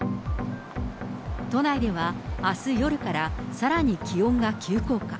都内ではあす夜からさらに気温が急降下。